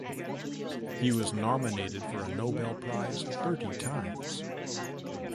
He was nominated for a Nobel prize thirty times.